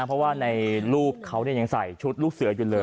เพราะว่าในรูปเขายังใส่ชุดลูกเสืออยู่เลย